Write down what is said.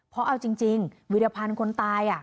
เพราะเอาจริงวิรพันธ์คนตาย